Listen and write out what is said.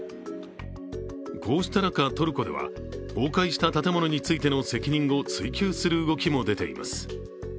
こうした中、トルコでは崩壊した建物についての責任を追及する動きも出ています。